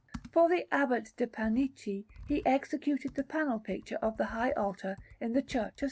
For the Abbot de' Panichi he executed the panel picture of the high altar in the Church of S.